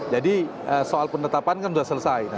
jadi soal penetapan kan sudah selesai